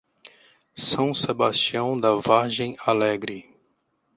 São Sebastião da Vargem Alegre